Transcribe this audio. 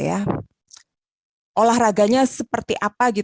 intensitas atau olahraganya seperti apa